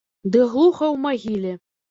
Ды глуха ў магіле.